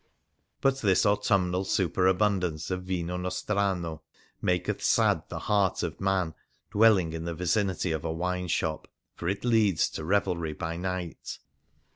But this autumnal superabund ance of vino nostrano maketh sad the heart of man dwelling in the vicinity of a wine shop, for it leads to revelry by night.